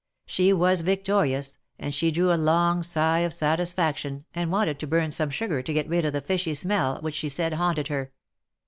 She was victorious, and she drew a long sigh of satisfaction, and wanted to burn some sugar to get rid of the fishy smell, which she said haunted her.